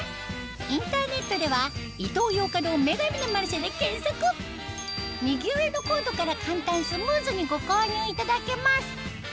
インターネットでは右上のコードから簡単スムーズにご購入いただけます